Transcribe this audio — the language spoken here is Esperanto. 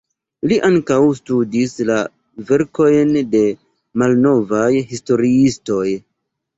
Li ankaŭ studis la verkojn de malnovaj historiistoj.